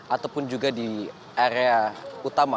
ataupun juga di area utama